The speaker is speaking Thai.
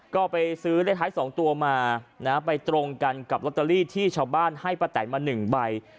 ก็ไปซื้อเลขท้าย๒ตัวมาไปตรงกันกับลอตเตอรี่ที่ชาวบ้านให้ป้าแตนมา๑ใบ